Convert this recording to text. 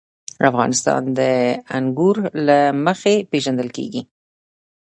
افغانستان د انګور له مخې پېژندل کېږي.